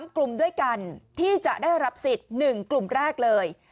๓กลุ่มด้วยกันที่จะได้รับสิทธิ์๑กลุ่มแรกเลย